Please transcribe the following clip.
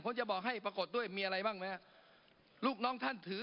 ผมจะบอกให้ปรากฏด้วยมีอะไรบ้างไหมฮะลูกน้องท่านถือ